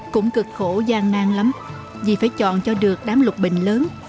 cũng cực khổ gian nang lắm vì phải chọn cho được đám lục bình lớn